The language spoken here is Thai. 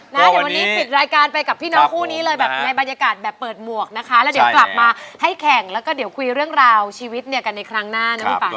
เดี๋ยววันนี้ปิดรายการไปกับพี่น้องคู่นี้เลยแบบในบรรยากาศแบบเปิดหมวกนะคะแล้วเดี๋ยวกลับมาให้แข่งแล้วก็เดี๋ยวคุยเรื่องราวชีวิตเนี่ยกันในครั้งหน้านะคุณป่า